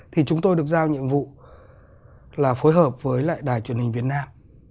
thì chúng tôi được giao nhiệm vụ là phối hợp với lại đài truyền hình việt nam